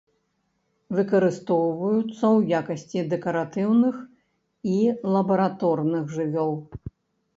Выкарыстоўваюцца ў якасці дэкаратыўных і лабараторных жывёл.